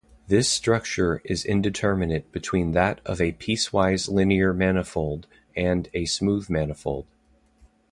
This structure is intermediate between that of a piecewise-linear manifold and a smooth manifold.